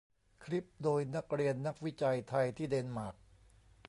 คลิปโดยนักเรียนนักวิจัยไทยที่เดนมาร์ก